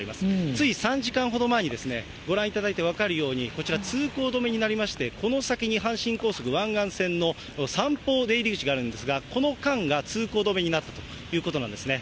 つい３時間ほど前に、ご覧いただいて分かるように、こちら通行止めになりまして、この先に阪神高速湾岸線のさんぽう出入口があるんですが、この間が通行止めになるということなんですね。